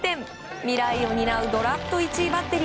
未来を担うドラフト１位バッテリー。